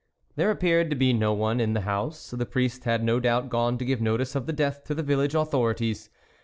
There appeared to be no one in the house ; the priest had no doubt gone to give notice of the death to the village authorities.